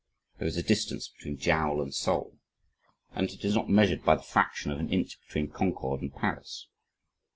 There is a distance between jowl and soul and it is not measured by the fraction of an inch between Concord and Paris.